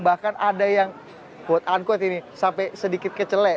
bahkan ada yang buat anggot ini sampai sedikit kecele